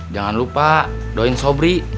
jangan lupa doain sobri